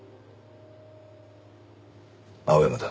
青山だ。